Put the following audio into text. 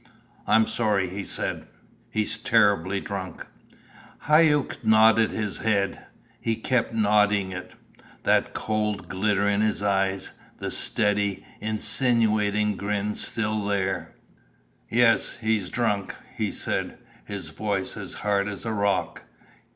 "I'm sorry," he said. "He's terribly drunk." Hauck nodded his head he kept nodding it, that cold glitter in his eyes, the steady, insinuating grin still there. "Yes, he's drunk," he said, his voice as hard as a rock.